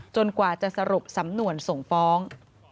กว่าจะสรุปสำนวนส่งฟ้อง